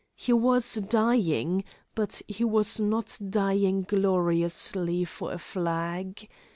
He was dying, but he was not dying gloriously for a flag.